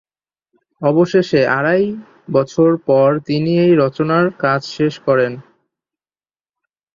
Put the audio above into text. অবশেষে আড়াই বছর পর তিনি এই রচনার কাজ শেষ করেন।